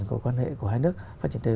của quan hệ của hai nước